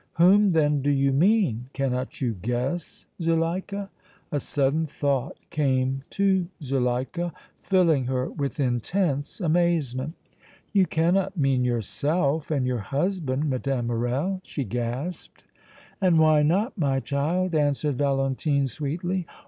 "Whom then do you mean?" "Cannot you guess, Zuleika?" A sudden thought came to Zuleika, filling her with intense amazement. "You cannot mean yourself and your husband, Mme. Morrel?" she gasped. "And why not, my child?" answered Valentine, sweetly.